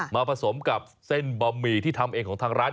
ผสมกับเส้นบะหมี่ที่ทำเองของทางร้าน